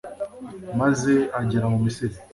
maze agera mu misiri